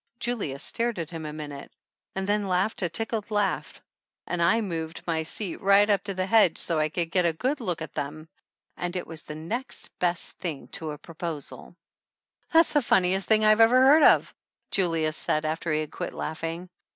Julius stared at him a minute, then laughed a tickled laugh ; and I moved my seat right up to the hedge so I could get a good look at them it was the next best thing to a proposal. 136 THE ANNALS OF ANN "That's the funniest thing I ever heard of," Julius said after he had quit laughing.